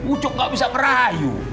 ucok gak bisa merayu